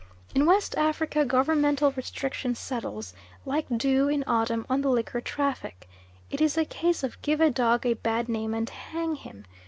In West Africa governmental restriction settles, like dew in autumn, on the liquor traffic. It is a case of give a dog a bad name and hang him.